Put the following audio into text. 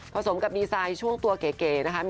สมกับดีไซน์ช่วงตัวเก๋นะคะ